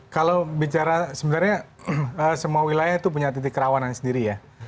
kalau bicara sebenarnya semua wilayah itu punya titik kerawanan sendiri ya